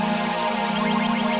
buat aku jadi beneran memang